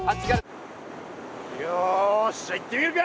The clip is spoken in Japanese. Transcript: よしじゃあ行ってみるか！